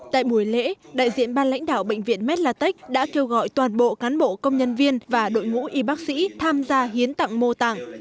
tại buổi lễ đại diện ban lãnh đạo bệnh viện medlatech đã kêu gọi toàn bộ cán bộ công nhân viên và đội ngũ y bác sĩ tham gia hiến tặng mô tạng